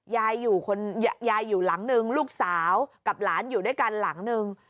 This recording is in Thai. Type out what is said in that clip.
ยายอยู่คนยายอยู่หลังนึงลูกสาวกับหลานอยู่ด้วยกันหลังนึง